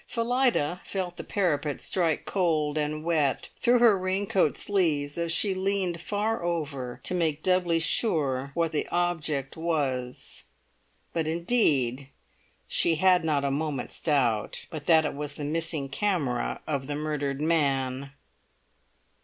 Phillida felt the parapet strike cold and wet through her rain coat sleeves as she leant far over to make doubly sure what she object was; but indeed she had not a moment's doubt but that it was the missing camera of the murdered man.